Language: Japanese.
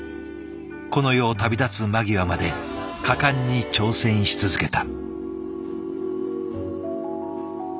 この世を旅立つ間際まで果敢に挑戦し続けた。